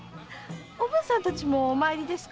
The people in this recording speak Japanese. おぶんさんたちもお詣りですか？